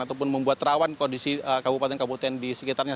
ataupun membuat rawan kondisi kabupaten kabupaten di sekitarnya